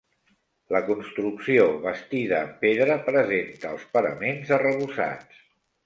La construcció, bastida en pedra, presenta els paraments arrebossats.